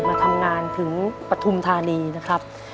มาทำงานถึงปฐุมธานีนะครับ